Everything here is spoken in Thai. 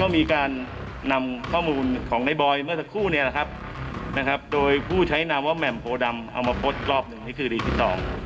ก็มีการนำข้อมูลของในบอยเมื่อสักครู่เนี่ยนะครับโดยผู้ใช้นามว่าแหม่มโพดำเอามาโพสต์อีกรอบหนึ่งนี่คือดิจิทัล